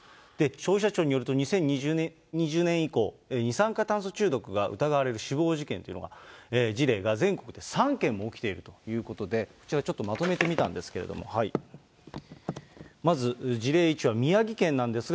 消費者庁によると、２０２０年以降、二酸化炭素中毒が疑われる死亡事件というのが、事例が全国で３件も起きているということで、こちらちょっとまとめてみたんですけれども、まず事例１は、宮城県なんですが、